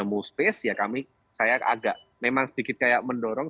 jadi kita lalu ke tempat yang lebih tempat ya kami saya agak memang sedikit kayak mendorong